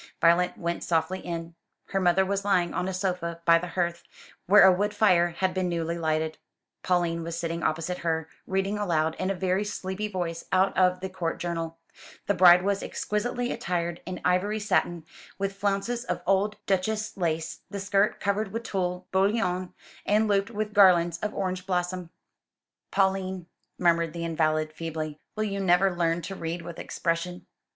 Violet went softly in. Her mother was lying on a sofa by the hearth, where a wood fire had been newly lighted. Pauline was sitting opposite her, reading aloud in a very sleepy voice out of the Court Journal: "The bride was exquisitely attired in ivory satin, with flounces of old Duchesse lace, the skirt covered with tulle, bouilloné, and looped with garlands of orange blossom " "Pauline," murmured the invalid feebly, "will you never learn to read with expression?